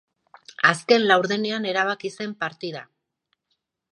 Azken laurdenean erabaki zen partida.